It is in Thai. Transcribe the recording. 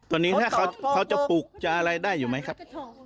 ตัวนี้ถ้าเขาจะปลูกจะอะไรได้อยู่ไหมครับ